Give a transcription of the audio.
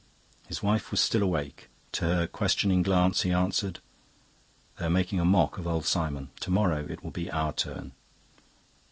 "His wife was still awake; to her questioning glance he answered, 'They are making mock of old Simon. To morrow it will be our turn.